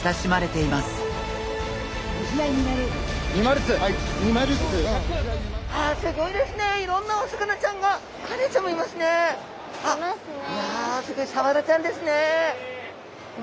いやすごいサワラちゃんですね。